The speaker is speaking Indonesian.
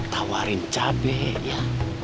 tawarin cabai ya